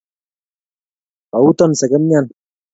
kauton sekemyan